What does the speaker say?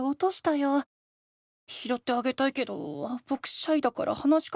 ひろってあげたいけどぼくシャイだから話しかけられない。